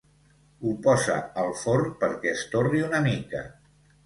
Ho posa al forn perquè es torri una mica.